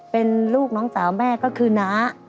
เป็นลูกน้องสาวแม่ก็คือน้า